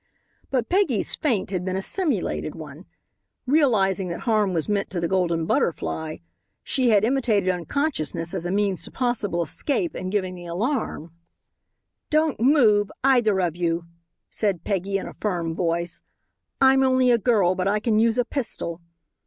But Peggy's faint had been a simulated one. Realizing that harm was meant to the Golden Butterfly, she had imitated unconsciousness as a means to possible escape and giving the alarm. "Don't move, either of you," said Peggy, in a firm voice. "I'm only a girl, but I can use a pistol."